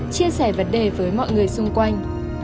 chia sẻ vấn đề với mọi người xung quanh